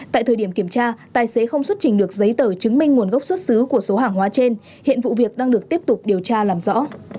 tại thời điểm kiểm tra tài xế không xuất trình được giấy tờ chứng minh nguồn gốc xuất xứ của số hàng hóa trên hiện vụ việc đang được tiếp tục điều tra làm rõ